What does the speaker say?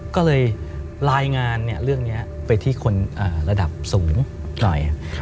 ก็เลยรายงานเรื่องนี้ไปที่คนระดับสูงหน่อย